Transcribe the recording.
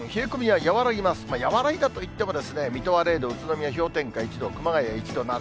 和らいだといってもですね、水戸は０度、宇都宮は氷点下１度、熊谷１度など。